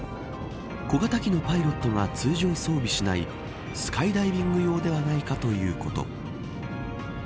小型機のパイロットが通常装備しないスカイダイビング用ではないかということ。